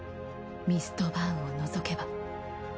ミストバーンをのぞけば。